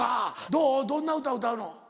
どんな歌歌うの？